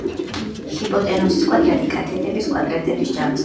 ჰიპოტენუზის კვადრატი კათეტების კვადრატების ჯამის ტოლია.